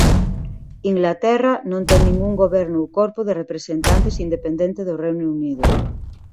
Inglaterra non ten ningún goberno ou corpo de representantes independente do Reino Unido.